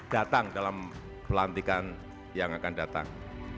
datang dalam pelantikan yang akan datang